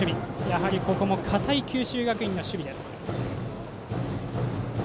やはり、ここも堅い九州学院の守備です。